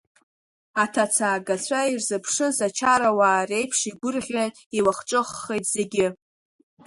Аҭацаагацәа ирзыԥшыз ачарауаа реиԥш игәырӷьан, илахҿыххеит зегьы.